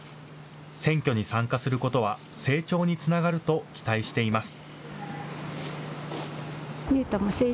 選挙に参加することは成長につながると期待しています。